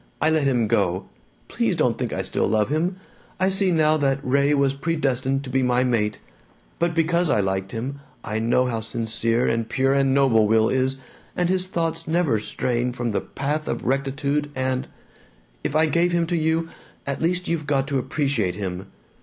I let him go. Please don't think I still love him! I see now that Ray was predestined to be my mate. But because I liked him, I know how sincere and pure and noble Will is, and his thoughts never straying from the path of rectitude, and If I gave him up to you, at least you've got to appreciate him!